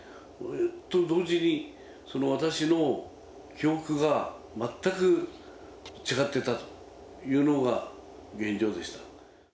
と同時に、私の記憶が全く違ってたというのが現状でした。